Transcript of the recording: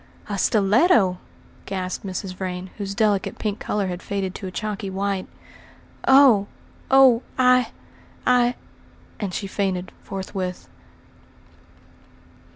"A stiletto!" gasped Mrs. Vrain, whose delicate pink colour had faded to a chalky white. "Oh! oh! I I " and she fainted forthwith.